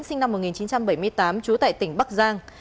sinh năm một nghìn chín trăm bảy mươi tám trú tại tỉnh bắc giang